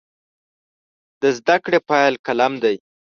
د زده کړې پیل قلم دی.